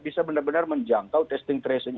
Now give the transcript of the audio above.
bisa benar benar menjangkau testing tracing